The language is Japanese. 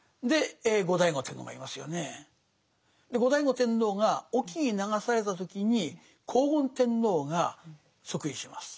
後醍醐天皇が隠岐に流された時に光厳天皇が即位します。